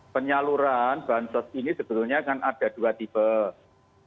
penyaluran bansos ini sebetulnya akan ada dua tingkat